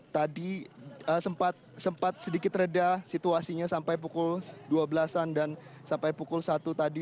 tadi sempat sedikit reda situasinya sampai pukul dua belas an dan sampai pukul satu tadi